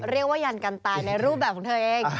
เรียกว่ายันกัลตายในรูปแบบของเธอเอง